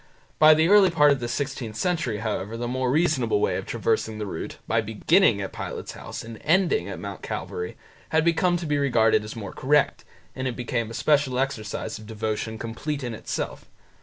By the early part of the sixteenth century, however, the more reasonable way of traversing the route, by beginning at Pilate's house and ending at Mount Calvary, had come to be regarded as more correct, and it became a special exercise of devotion complete in itself.